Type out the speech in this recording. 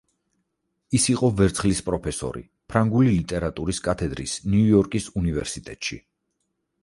ის იყო ვერცხლის პროფესორი, ფრანგული ლიტერატურის კათედრის ნიუ-იორკის უნივერსიტეტში.